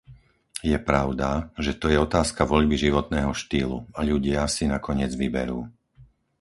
Je pravda, že to je otázka voľby životného štýlu a ľudia si nakoniec vyberú.